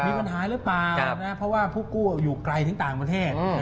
มีปัญหาหรือเปล่านะเพราะว่าผู้กู้อยู่ไกลถึงต่างประเทศ